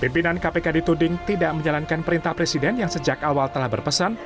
pemimpinan kpk di tuding tidak menjalankan perintah presiden yang sejak awal telah berpesan